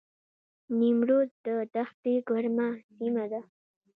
نیمروز د دښتې ګرمه سیمه ده